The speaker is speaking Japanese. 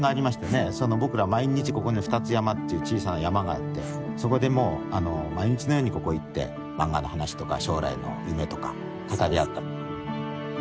僕らも毎日ここにふたつ山っていう小さな山があってそこでもう毎日のようにここ行って漫画の話とか将来の夢とか語り合った。